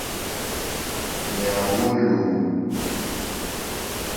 Nyawo loooo.